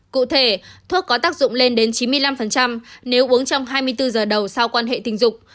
cụ thể thuốc có tác dụng lên đến chín mươi năm nếu uống trong hai mươi bốn giờ đầu sau quan hệ tình dục